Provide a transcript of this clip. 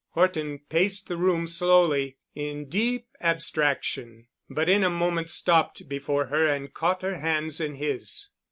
Horton paced the room slowly, in deep abstraction, but in a moment stopped before her and caught her hands in his.